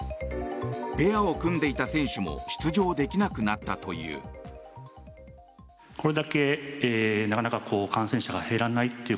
ペアを組んでいた選手も出場できなくなったという。